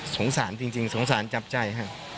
สงสารจริงสงสารจับใจ